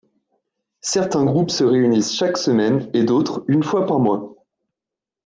Certains groupes se réunissent chaque semaine et d'autres une fois par mois.